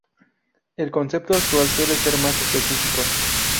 El concepto actual suele ser más específico.